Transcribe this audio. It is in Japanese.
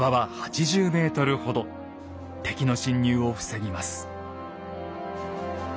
敵の侵入を防ぎます。